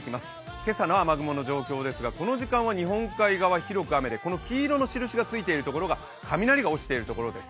今朝の雨雲の状況ですが、この時間は日本海側広く雨でこの黄色の印がついているところが雷が落ちているところです。